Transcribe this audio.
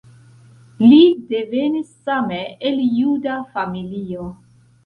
Li devenis same el juda familio.